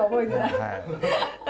はい。